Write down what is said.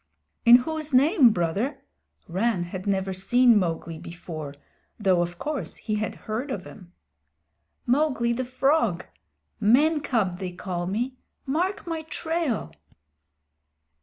"In whose name, Brother?" Rann had never seen Mowgli before, though of course he had heard of him. "Mowgli, the Frog. Man cub they call me! Mark my trail!"